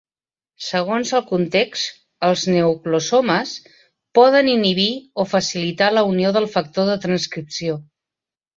Segons el context, els nucleosomes poden inhibir o facilitar la unió del factor de transcripció.